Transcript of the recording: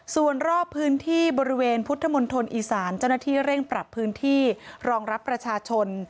ส่วนรอบพื้นที่บริเวณพุทธมณฑลอีสานเจ้าหน้าที่เร่งปรับพื้นที่รองรับประชาชน